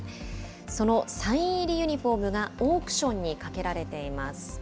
そのサイン入りユニホームが、オークションにかけられています。